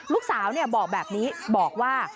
ลูกสาวบอกแบบนี้บอกว่า